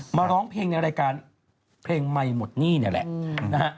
มาร้องเพลงในรายการเพลงไม่หมดหนี้นี่แหละ